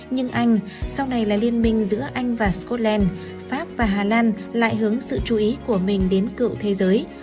nhưng anh sau này là liên minh giữa anh và scotland pháp và hà lan lại hướng sự chú ý của mình đến cựu thế giới